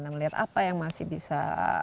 nah melihat apa yang masih bisa